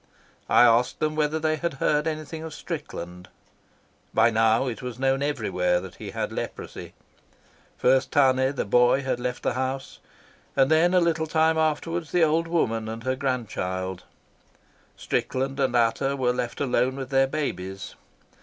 I asked them whether they had heard anything of Strickland. By now it was known everywhere that he had leprosy. First Tane, the boy, had left the house, and then, a little time afterwards, the old woman and her grandchild. Strickland and Ata were left alone with their babies.